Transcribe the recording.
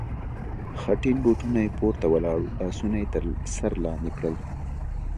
خټین بوټونه یې پورته ولاړ و، لاسونه یې تر سر لاندې کړل.